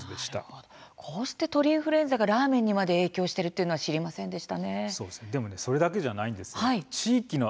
こうした鳥インフルエンザがラーメンにまで影響してるとは知りませんでした。